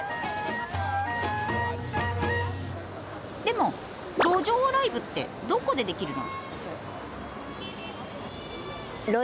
でも路上ライブってどこでできるの？